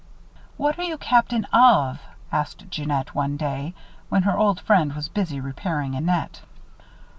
"What are you captain of?" asked Jeannette, one day, when her old friend was busy repairing a net.